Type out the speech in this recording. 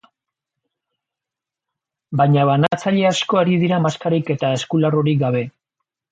Baina banatzaile asko ari dira maskarrik eta eskularrurik gabe.